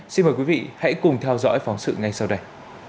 xin mời quý vị hãy cùng theo dõi phóng sự ngay sau đây